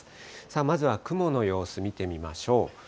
さあ、まずは雲の様子見てみましょう。